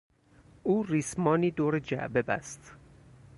او ریسمانی دور جعبه بست.